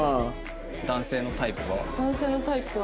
男性のタイプは。